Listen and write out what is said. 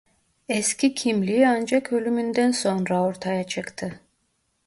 Eski kimliği ancak ölümünden sonra ortaya çıktı.